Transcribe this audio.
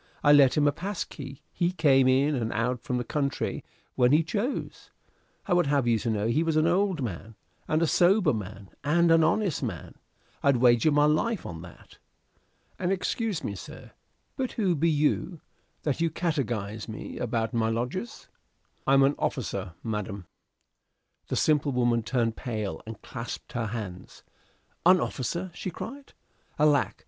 I lent him a pass key. He came in and out from the country when he chose. I would have you to know he was an old man, and a sober man, and an honest man: I'd wager my life on that. And excuse me, sir, but who be you, that do catechise me to about my lodgers?" "I am an officer, madam." The simple woman turned pale, and clasped her hands. "An officer!" she cried. "Alack!